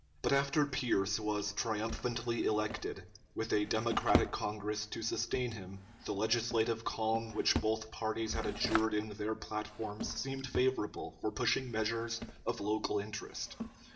But after Pierce was triumphantly elected, with a Democratic Congress to sustain him, the legislative calm which both parties had adjured in their platforms seemed favorable for pushing measures of local interest.